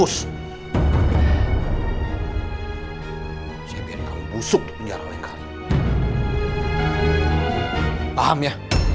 sisi rumah ini